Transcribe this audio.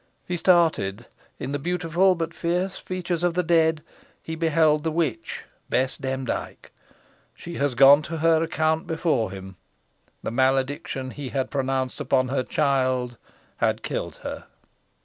He started. In the beautiful, but fierce features of the dead, he beheld the witch, Bess Demdike. She was gone to her account before him. The malediction he had pronounced upon her child had killed her.